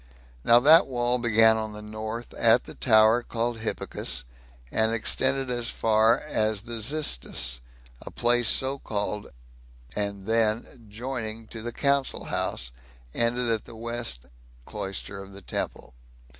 Now that wall began on the north, at the tower called "Hippicus," and extended as far as the "Xistus," a place so called, and then, joining to the council house, ended at the west cloister of the temple.